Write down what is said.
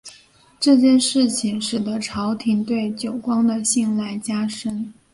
这件事情使得朝廷对久光的信赖加深。